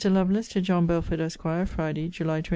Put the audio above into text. LOVELACE, TO JOHN BELFORD, ESQ. FRIDAY, JULY 28.